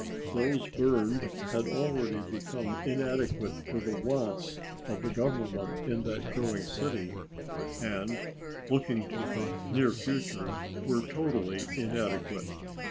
Those burned had already become inadequate to the wants of the Government in that growing city, and, looking to the near future, were totally inadequate.